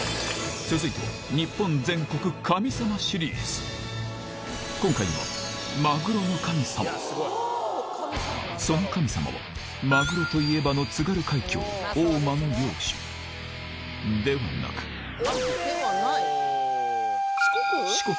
続いては今回はその神様はマグロといえばの津軽海峡大間の漁師ではなくではない？